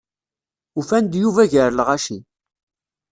Ufan-d Yuba gar lɣaci.